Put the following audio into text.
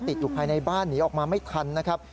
ติดอยู่ภายในบ้านหนีออกมาไม่ทันนะครับ